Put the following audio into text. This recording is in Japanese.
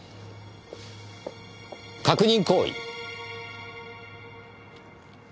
確認行為。